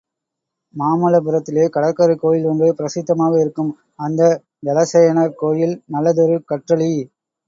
மாமல்லபுரத்திலே கடற்கரைக் கோயில் ஒன்று பிரசித்தமாக இருக்கும், அந்த ஜலசயனர் கோயில் நல்லதொரு கற்றளி.